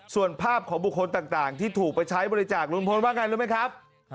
ส่วนภาพของบุคคลต่างที่ถูกไปใช้บริจาคลุงพลว่าไงรู้ไหมครับ